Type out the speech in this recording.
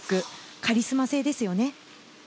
カリスマ性ですよね。